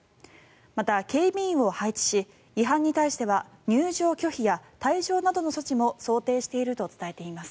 また警備員を配置し違反に対しては入場拒否や退場などの措置も想定していると伝えています。